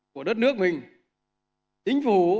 của đất nước mình